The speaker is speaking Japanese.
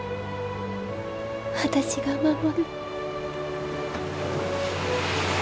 私が守る。